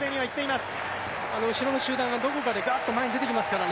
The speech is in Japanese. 後ろの集団がどこかでがっと前にでてきますから。